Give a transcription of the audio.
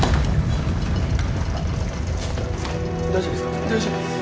大丈夫ですか？